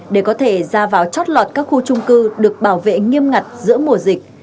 để có thể ra vào chót lọt các khu trung cư được bảo vệ nghiêm ngặt giữa mùa dịch